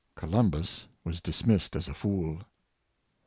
Columbus was dismissed as a fool.